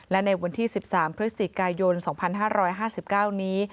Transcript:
และในวันที่๑๓พฤศจิกายน๒๕๕๙นี้